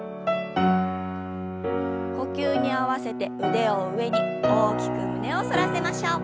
呼吸に合わせて腕を上に大きく胸を反らせましょう。